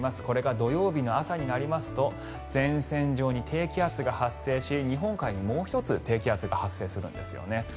これが土曜日の朝になりますと前線上に低気圧が発生し日本海にもう１つ低気圧が発生するんですね。